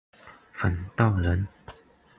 冯道人。